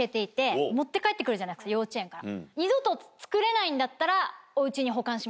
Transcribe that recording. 幼稚園から。